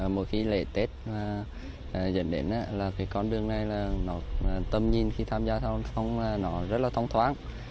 một khi lễ tết dẫn đến là con đường này tâm nhìn khi tham gia thông thông rất là thông thoáng